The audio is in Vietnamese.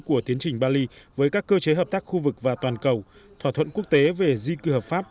của tiến trình bali với các cơ chế hợp tác khu vực và toàn cầu thỏa thuận quốc tế về di cư hợp pháp